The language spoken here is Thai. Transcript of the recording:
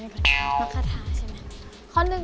มักกะทาใช่ไหม